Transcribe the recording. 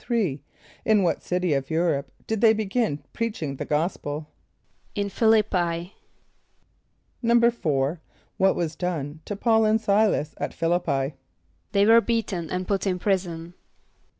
= In what city of Europe did they begin preaching the gospel? =In Ph[)i] l[)i]p´p[=i].= =4.= What was done to P[a:]ul and S[=i]´las at Ph[)i] l[)i]p´p[=i]? =They were beaten and put in prison.